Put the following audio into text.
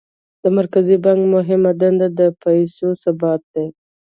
د مرکزي بانک مهمه دنده د پیسو ثبات دی.